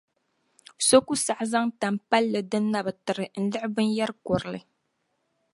So ku saɣi zaŋ tan’ palli din na bi tiri n-liɣi binyɛr’ kurili.